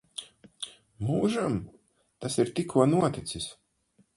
Mūžam? Tas ir tikko noticis.